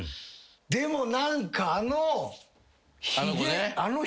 でも何かあの。